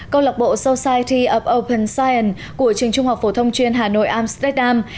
câu lạc bộ society of open science của trường trung học phổ thông chuyên hà nội amsterdam